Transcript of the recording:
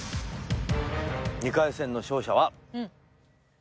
２回戦の勝者は。